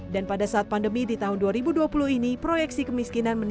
dan pada saat pandemi di tahun dua ribu dua puluh ini proyeksi kemiskinan menurun